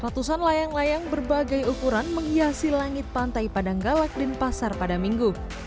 ratusan layang layang berbagai ukuran menghiasi langit pantai padanggalak dan pasar pada minggu